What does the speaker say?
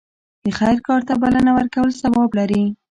د خیر کار ته بلنه ورکول ثواب لري.